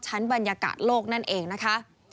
บรรยากาศโลกนั่นเองนะคะ